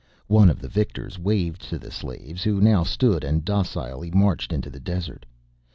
One of the victors waved to the slaves who now stood and docilely marched into the desert.